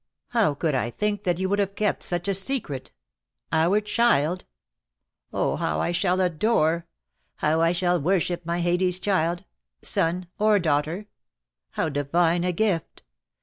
How could I think that you would 17* 26o DEAD LOVE HAS CHAINS, have kept such a secret? Our child! Oh, how I shall adore — how I shall worship my Haidee's child — son or daughter! How divine a gift!